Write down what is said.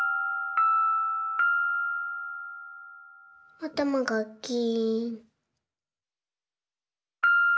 あたまがキーン。